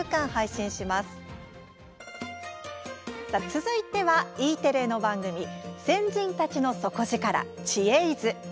続いては、Ｅテレの番組「先人たちの底力知恵泉」。